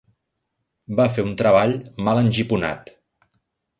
Va fer un treball mal engiponat.